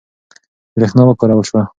برېښنا وکارول شوه.